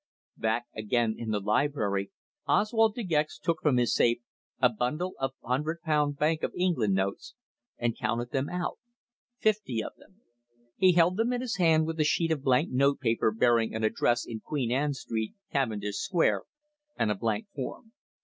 Back again in the library Oswald De Gex took from his safe a bundle of hundred pound Bank of England notes, and counted them out fifty of them. He held them in his hand with a sheet of blank notepaper bearing an address in Queen Anne Street, Cavendish Square, and a blank form.